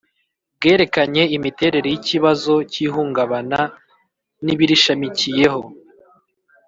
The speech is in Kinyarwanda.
Bwerekanye imiterere y ikibazo cy ihungabana n ibirishamikiyeho